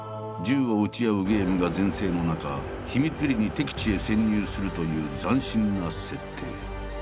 銃を撃ち合うゲームが全盛の中秘密裏に敵地へ潜入するという斬新な設定。